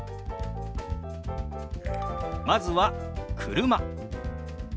まずは「車」。